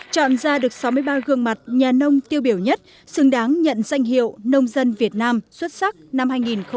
chọn ra được sáu mươi ba gương mặt nhà nông tiêu biểu nhất xứng đáng nhận danh hiệu nông dân việt nam xuất sắc năm hai nghìn một mươi tám